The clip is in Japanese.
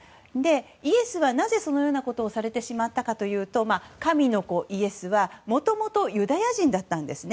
イエスはなぜ、そのようなことをされてしまったかというと神の子、イエスはもともとユダヤ人だったんですね。